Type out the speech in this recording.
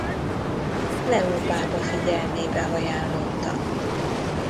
Leó pápa figyelmébe ajánlotta.